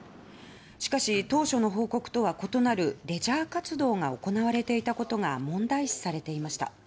しかし、当初の報告とは異なるレジャー活動が行われていたことが問題視されていました。